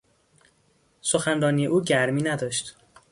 سخنرانی او گرمی نداشت.